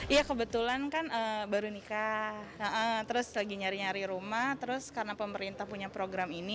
iya kebetulan kan baru nikah terus lagi nyari nyari rumah terus karena pemerintah punya program ini